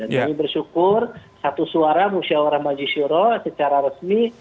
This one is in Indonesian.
dan kami bersyukur satu suara musyawara majisura secara resmi